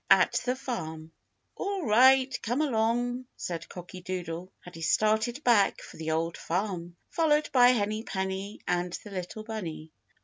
AT THE FARM "ALL right, come along," said Cocky Doodle, and he started back for the Old Farm, followed by Henny Penny and the little bunny.